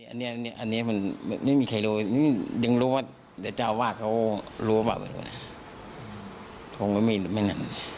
อันนี้มันไม่มีใครรู้ยังรู้ว่าเจ้าว่าเขารู้หรือเปล่า